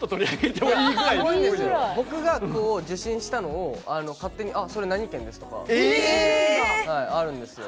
僕が受信したのを勝手にそれ、何県ですとかあるんですよ。